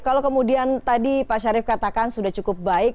kalau kemudian tadi pak syarif katakan sudah cukup baik